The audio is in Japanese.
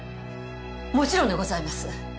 もちろんでございます。